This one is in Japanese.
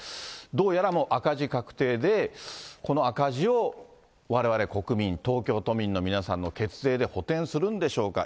どうやらもう赤字確定で、この赤字をわれわれ国民、東京都民の皆さんの血税で補填するんでしょうか。